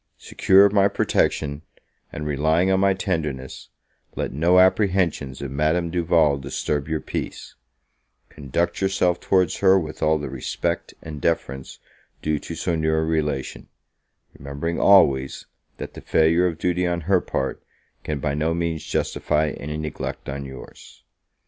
Secure of my protection, and relying on my tenderness, let no apprehensions of Madame Duval disturb your peace: conduct yourself towards her with all the respect and deference due to so near a relation, remembering always, that the failure of duty on her part, can by no means justify any neglect on your's.